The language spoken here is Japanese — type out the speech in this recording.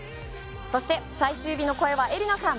そして、最終日の声は、えりなさん。